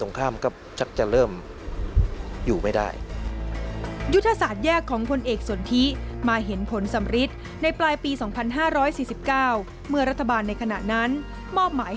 ตรงข้ามก็จักจะเริ่มอยู่ไม่ได้อยู่งานแยกของคนเอกส่วนที่มาเห็นผลสำริดในปลายปี๒๕๐๐๔๙เมื่อรัฐบาลในขณะนั้นหมอมหมาย